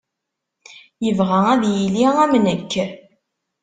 Yebɣa ad yili am nekk.